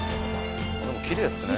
でもきれいっすね。